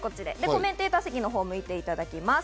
コメンテーター席のほうを向いていただきます。